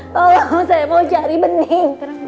tolong saya mau cari bening